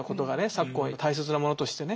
昨今大切なものとしてね